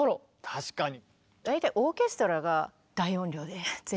確かに。